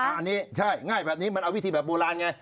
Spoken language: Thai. อันนี้ใช่ง่ายแบบนี้มันเอาวิธีแบบโบราณไง